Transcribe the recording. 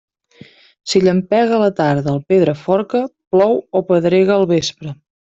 Si llampega a la tarda al Pedraforca, plou o pedrega al vespre.